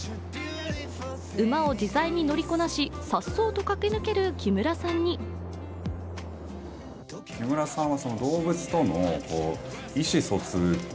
馬を自在に乗りこなし、さっそうと駆け抜ける木村さんにと、大絶賛。